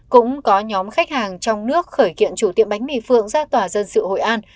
cũng có nhóm khách hàng trong nước khởi kiện chủ tiệm bánh mì phượng ra tòa dân sự hội an